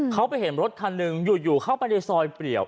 เขาไปเห็นรถคันหนึ่งอยู่เข้าไปในซอยเปรียว